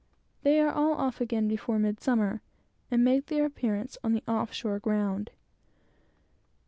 They are all off again before midsummer, and make their appearance on the "off shore ground."